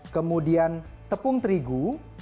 kemudian tepung terigu